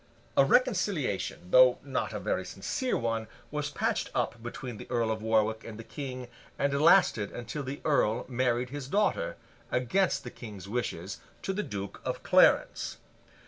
A reconciliation, though not a very sincere one, was patched up between the Earl of Warwick and the King, and lasted until the Earl married his daughter, against the King's wishes, to the Duke of Clarence.